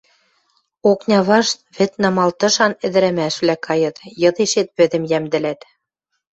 Окня вашт вӹд намалтышан ӹдӹрӓмӓшвлӓ кайыт, йыдешет вӹдӹм йӓмдӹлӓт.